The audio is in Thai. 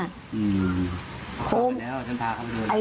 พาไปเนี่ยวฉันพาเค้ามดูท่านด้วย